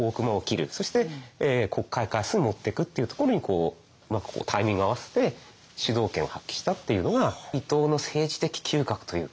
そして国会開設に持ってくっていうところにうまくタイミングを合わせて主導権を発揮したっていうのが伊藤の政治的嗅覚というか。